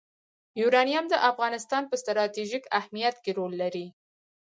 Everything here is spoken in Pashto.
یورانیم د افغانستان په ستراتیژیک اهمیت کې رول لري.